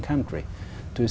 ai cũng có thể